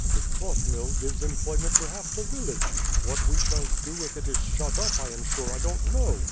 His cloth mill gives employment to half the village. What we shall do if it is shut up I am sure I don't know.